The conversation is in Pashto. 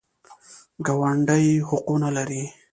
ګاونډي حقونه لري